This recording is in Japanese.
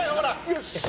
よし！